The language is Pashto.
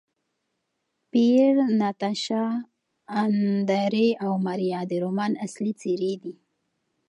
پییر، ناتاشا، اندرې او ماریا د رومان اصلي څېرې دي.